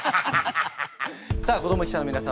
さあ子ども記者の皆様